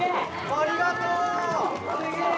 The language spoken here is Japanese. ありがとう！